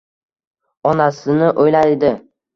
Onasini o‘ylaydi.